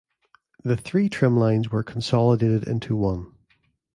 The three trim lines were consolidated into one.